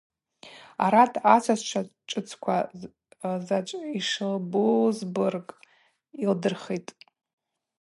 Арат асасчва шӏыцква Зач йшылбузбырг йылдырхтӏ.